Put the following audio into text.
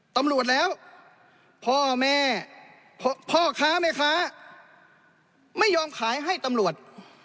ตำรวจแล้วพ่อแม่พ่อค้าแม่ค้าไม่ยอมขายให้ตำรวจ